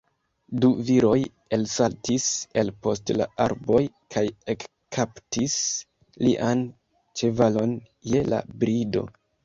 Du viroj elsaltis el post la arboj kaj ekkaptis lian ĉevalon je la brido.